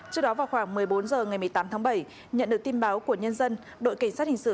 trước đó vào khoảng một mươi bốn h ngày một mươi tám tháng bảy nhận được tin báo của nhân dân đội cảnh sát hình sự